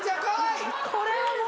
これはもう！